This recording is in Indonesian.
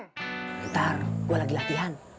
bentar gua lagi latihan